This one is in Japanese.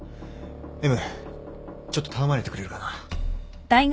Ｍちょっと頼まれてくれるかな？